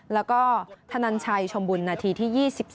แล้วก็ธนันชัยชมบุญนาทีที่๒๒